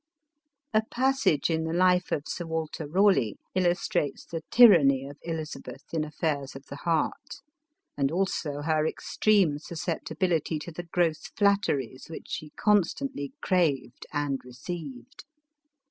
A passage in the Life of Sir Walter Ealeigh, illus trates the tyranny of Elizabeth in affairs of the heart, and also her extreme susceptibility to the grosa flatte ries which she constantly craved and received.